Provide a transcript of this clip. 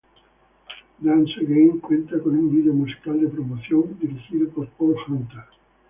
Dance Again cuenta con un video musical de promoción dirigido por Paul Hunter.